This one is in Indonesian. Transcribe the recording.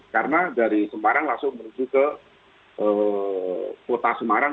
karena dari semarang langsung menuju ke kota semarang